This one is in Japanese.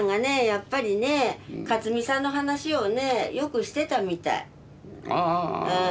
やっぱりね克己さんの話をねよくしてたみたい。ああ。